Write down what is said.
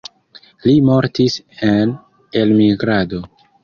Li mortis en elmigrado.